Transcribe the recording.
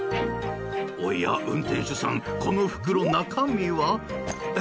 おや、運転手さんこの袋、中身は？え？